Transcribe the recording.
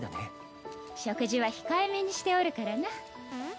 食事は控えめにしておるからな。